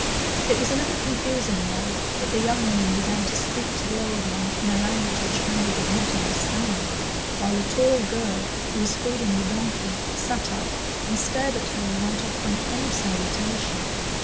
It was a little confusing, though, that the young woman began to speak to the old one in a language which Maggie did not understand, while the tall girl, who was feeding the donkey, sat up and stared at her without offering any salutation.